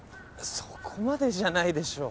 そこまでじゃないでしょ。